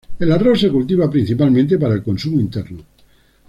El arroz se cultiva principalmente para el consumo interno.